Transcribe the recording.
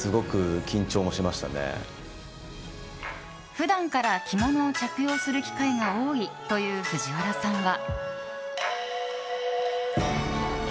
普段から着物を着用する機会が多いという藤原さんは。